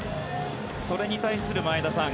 それに対する、前田さん